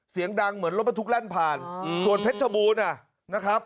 เสียงดังเหมือนรถบรรทุกแล่นผ่านส่วนเพชรชบูรณ์นะครับ